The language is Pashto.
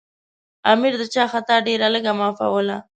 امیر د چا خطا ډېره لږه معافوله.